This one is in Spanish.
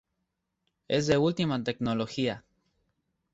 Es de última tecnología.